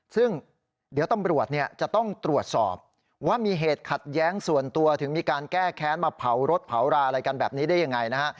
ซึ่งเดี๋ยวตำรวจเนี่ยจะต้องตรวจสอบว่ามีเหตุขัดแย้งส่วนตัวถึงมีการแก้แค้นมาเผารถเผาราอะไรกันแบบนี้ได้ยังไงนะฮะ